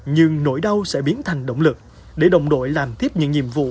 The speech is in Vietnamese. nhưng nỗi đau sẽ biến thành động lực để đồng đội làm tiếp những nhiệm vụ